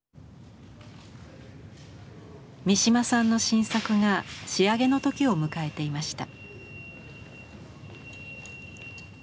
三島さんの新作が仕上げの時を迎えていました。